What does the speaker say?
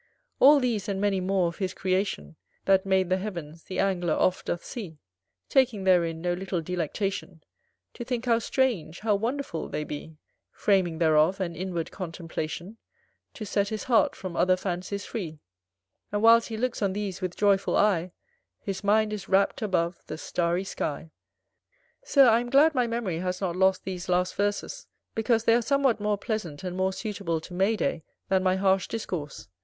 All these, and many more of his creation That made the heavens, the Angler oft doth see; Taking therein no little delectation, To think how strange, how wonderful they be: Framing thereof an inward contemplation To set his heart from other fancies free; And whilst he looks on these with joyful eye, His mind is rapt above the starry sky. Sir, I am glad my memory has not lost these last verses, because they are somewhat more pleasant and more suitable to May day than my harsh discourse.